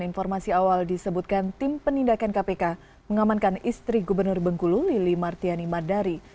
informasi awal disebutkan tim penindakan kpk mengamankan istri gubernur bengkulu lili martiani madari